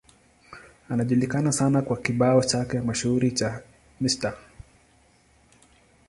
Anajulikana sana kwa kibao chake mashuhuri cha Mr.